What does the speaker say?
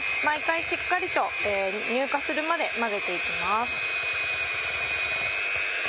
毎回しっかりと乳化するまで混ぜて行きます。